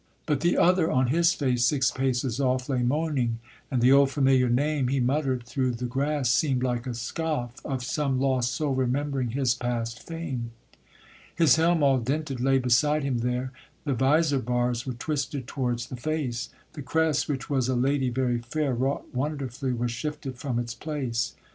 But the other, on his face, six paces off, Lay moaning, and the old familiar name He mutter'd through the grass, seem'd like a scoff Of some lost soul remembering his past fame. His helm all dinted lay beside him there, The visor bars were twisted towards the face, The crest, which was a lady very fair, Wrought wonderfully, was shifted from its place.